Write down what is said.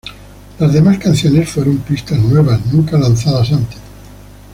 Las demás canciones fueron pistas nuevas, nunca lanzadas antes.